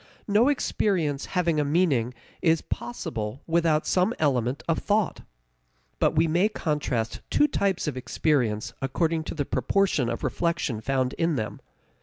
No experience having a meaning is possible without some element of thought. But we may contrast two types of experience according to the proportion of reflection found in them.